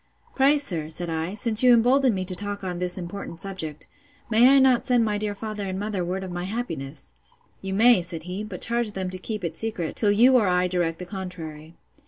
Pray sir, said I, since you embolden me to talk on this important subject, may I not send my dear father and mother word of my happiness?—You may, said he; but charge them to keep it secret, till you or I direct the contrary.